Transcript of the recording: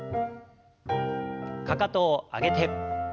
かかとを上げて。